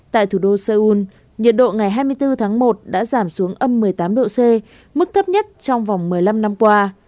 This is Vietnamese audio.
tại thủ đô seoul nhiệt độ ngày hai mươi bốn tháng một đã giảm xuống âm một mươi tám độ c mức thấp nhất trong vòng một mươi năm năm qua